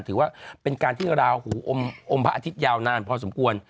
ถือว่าเป็นการที่ราหูอมพระอาทิตยาวนานพอสมควร